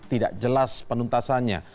tidak jelas penuntasannya